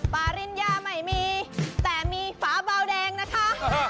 ปริญญาไม่มีแต่มีฝาเบาแดงนะคะ